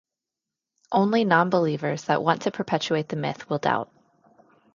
Only non-believers that want to perpetuate the myth will doubt.